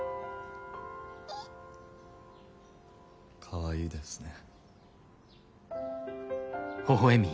かわいいですね。